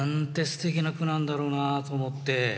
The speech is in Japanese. すてきな句なんだろうなと思って。